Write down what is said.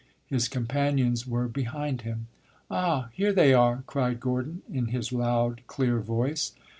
His companions were behind him. "Ah, here they are!" cried Gordon, in his loud, clear voice.